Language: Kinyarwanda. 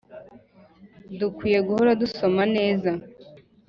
Dukwiye guhora dusoma. Neza